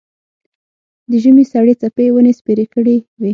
د ژمي سړې څپې یې ونې سپېرې کړې وې.